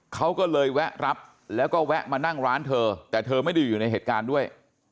เขาก็เลยแวะรับแล้วก็แวะมานั่งร้านเธอแต่เธอไม่ได้อยู่ในเหตุการณ์ด้วย